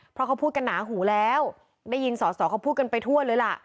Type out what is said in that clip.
เพราะเขาพูดกันหนาหูแล้วได้ยินสอสอเขาพูดกันไปทั่วเลยล่ะ